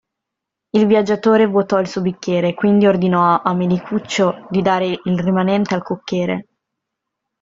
Il viaggiatore vuotò il suo bicchiere, quindi ordinò a Menicuccio di dare il rimanente al cocchiere.